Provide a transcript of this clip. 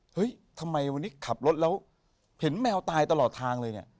เฮ้ยทำไมวันนี้ขับรถแล้วเห็นแมวตายตลอดทางเลยเนี่ย